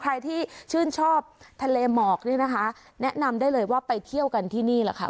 ใครที่ชื่นชอบทะเลหมอกเนี่ยนะคะแนะนำได้เลยว่าไปเที่ยวกันที่นี่แหละค่ะ